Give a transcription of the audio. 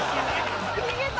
逃げた。